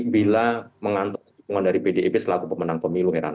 bila mengantuk pemerintahan dari pdip selaku pemenang pemilu